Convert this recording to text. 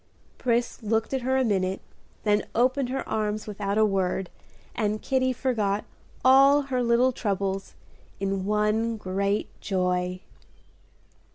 Pris looked at her a minute, then opened her arms without a word, and Kitty forgot all her little troubles in one great joy.